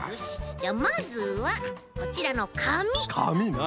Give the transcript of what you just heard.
じゃあまずはこちらのかみ。かみな。